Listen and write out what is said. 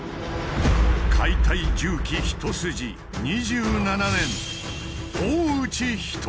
解体重機一筋２７年！